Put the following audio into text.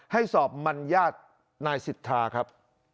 สอบมันญาตินายสิทธาครับ